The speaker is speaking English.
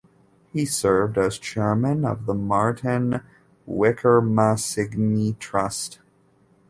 He served as Chairman of the Martin Wickramasinghe Trust.